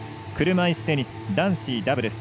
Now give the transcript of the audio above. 車いすテニス男子ダブルス。